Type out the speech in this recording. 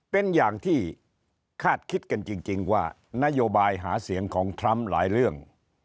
เป็นอย่างที่คาดคิดกันจริงว่านโยบายหาเสียงของทรัมป์หลายเรื่อง